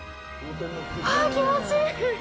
ああ、気持ちいい！